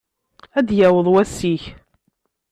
Ad d-yaweḍ wass-ik.